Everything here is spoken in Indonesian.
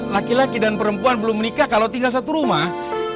laki laki dan perempuan belum menikah kalau tinggal satu rumah